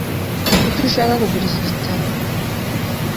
Kuki ushaka kugura iki gitabo?